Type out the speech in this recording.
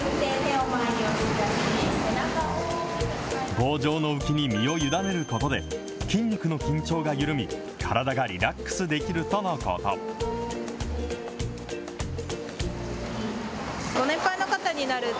棒状の浮きに身を委ねることで、筋肉の緊張が緩み、体がリラックスできるとのこと。